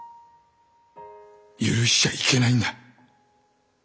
許しちゃいけないんだ。